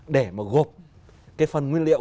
để mà gộp cái phần nguyên liệu